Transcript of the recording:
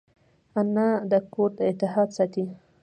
انا د کورنۍ اتحاد ساتي